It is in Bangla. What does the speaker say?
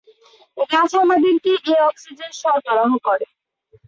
গাছ আমাদেরকে এ অক্সিজেন সরবরাহ করে।